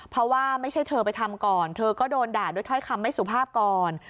เพราะว่าไม่ใช่เธอไปทำก่อนเธอก็โดนด่าด้วยถ้อยคำไม่สุภาพก่อน